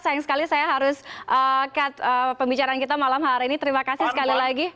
sayang sekali saya harus cut pembicaraan kita malam hari ini terima kasih sekali lagi